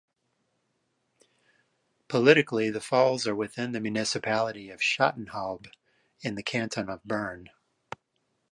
Politically, the falls are within the municipality of Schattenhalb in the canton of Bern.